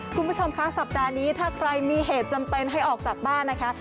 คุณผู้ชมคะสัปดาห์นี้ถ้าใครมีเหตุจำเป็นให้ออกจากบ้านนะคะ